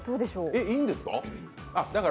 えっ、いいんですか？